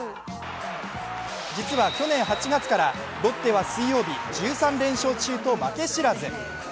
実は去年８月からロッテは水曜日１３連勝中と負け知らず。